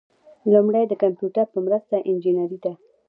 لومړی د کمپیوټر په مرسته انجنیری ده.